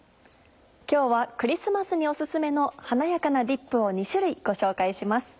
今日はクリスマスにオススメの華やかなディップを２種類ご紹介します。